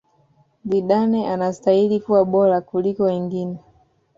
Zidane anastahili kuwa bora kukliko wengine